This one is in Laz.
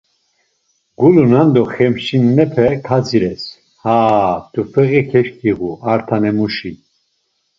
Gulunan do Xemşenlepe kazires… Haa… T̆ufeği keşǩiğu ar tanemuşi.